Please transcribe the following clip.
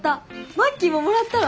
マッキーももらったら？